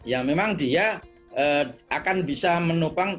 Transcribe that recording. ya memang dia akan bisa menopang